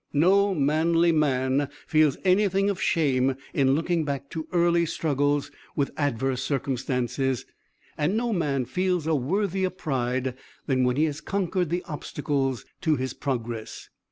"No manly man feels anything of shame in looking back to early struggles with adverse circumstances, and no man feels a worthier pride than when he has conquered the obstacles to his progress.